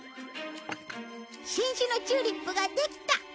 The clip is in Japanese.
新種のチューリップができた！